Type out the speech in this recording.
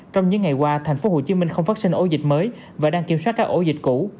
trong những ngày qua tp hcm không phát sinh ổ dịch mới và đang kiểm soát các ổ dịch cũ